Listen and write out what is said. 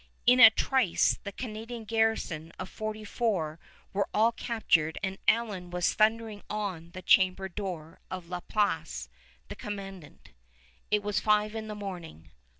In a trice the Canadian garrison of forty four were all captured and Allen was thundering on the chamber door of La Place, the commandant. It was five in the morning.